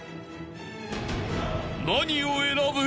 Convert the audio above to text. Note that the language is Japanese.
［何を選ぶ？］